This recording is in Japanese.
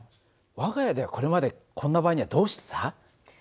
我が家ではこれまでこんな場合にはどうしてた？